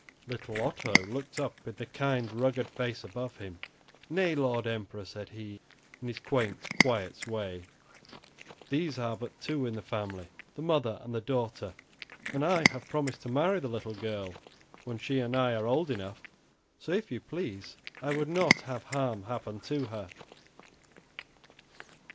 Little Otto looked up in the kind, rugged face above him. "Nay, Lord Emperor," said he, in his quaint, quiet way, "there are but two in the family the mother and the daughter and I have promised to marry the little girl when she and I are old enough; so, if you please, I would not have harm happen to her."